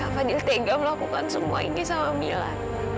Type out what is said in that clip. kak fadil tega melakukan semua ini sama mila